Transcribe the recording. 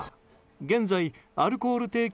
現在アルコール提供